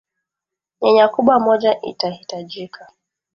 nyanya kubwa moja itahitajika